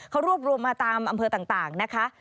เขารวบรวมมาตามอำเภอต่างนะคะ